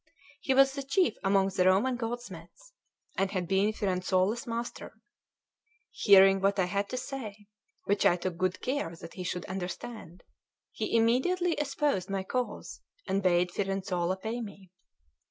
He was the chief among the Roman goldsmiths, and had been Firenzuola's master. Hearing what I had to say, which I took good care that he should understand, he immediately espoused my cause, and bade Firenzuola pay me.